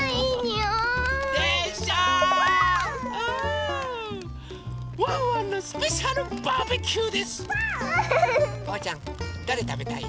おうちゃんどれたべたい？